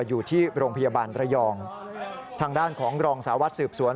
อยู่ที่โรงพยาบาลระยองทางด้านของรองสาววัดสืบสวน